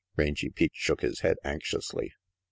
Rangy Pete shook his head anxiously.